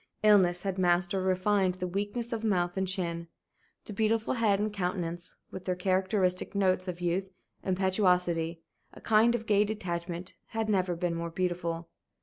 Illness had masked or refined the weakness of mouth and chin; the beautiful head and countenance, with their characteristic notes of youth, impetuosity, a kind of gay detachment, had never been more beautiful.